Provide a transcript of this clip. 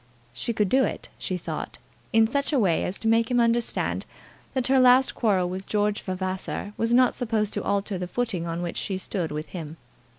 She could do it, she thought, in such a way as to make him understand that her last quarrel with George Vavasor was not supposed to alter the footing on which she stood with him.